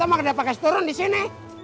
kau mah udah pake seturun disini